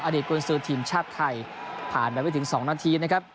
อดีตกุญสือทีมชาติไทยผ่านไปไม่ถึง๒นาทีนะครับ